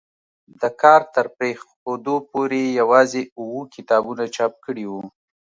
د کار تر پرېښودو پورې یوازې اووه کتابونه چاپ کړي وو.